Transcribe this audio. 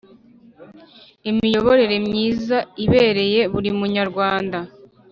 imiyoborere myiza ibereye buri munyarwanda